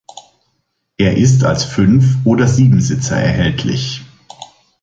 Er ist als Fünf- oder Siebensitzer erhältlich.